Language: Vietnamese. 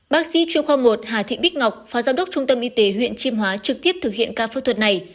bác sĩ chuyên khoa một hà thị bích ngọc phó giám đốc trung tâm y tế huyện chiêm hóa trực tiếp thực hiện ca phẫu thuật này